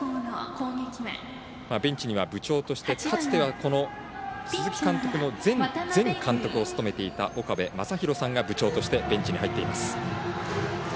ベンチには部長として鈴木監督の前々監督を務めていた岡部真洋さんが部長としてベンチに入っています。